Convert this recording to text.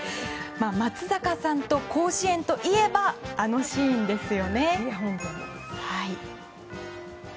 松坂さんと甲子園といえばあのシーンですよね。